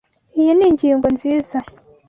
Iyi ni ingingo nziza.